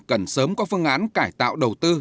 cần sớm có phương án cải tạo đầu tư